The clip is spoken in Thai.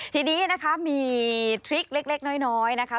ทีนี้นะคะมีทริคเล็กน้อยนะคะ